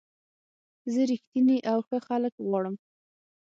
زه رښتیني او ښه خلک غواړم.